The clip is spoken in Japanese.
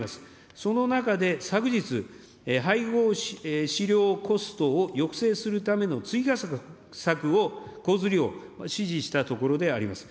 その中で、昨日、配合飼料コストを抑制するための追加策を講ずるよう指示したところであります。